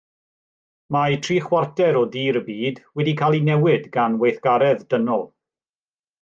Mae tri chwarter o dir y byd wedi cael ei newid gan weithgaredd dynol.